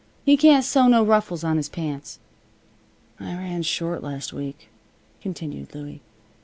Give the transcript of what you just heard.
He can't sew no ruffles on his pants." "I ran short last week," continued Louie.